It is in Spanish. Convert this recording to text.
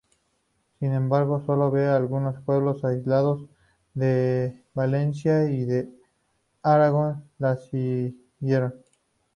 Sin embargo sólo en algunos pueblos aislados de Valencia y de Aragón la siguieron.